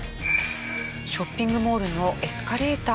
ショッピングモールのエスカレーター。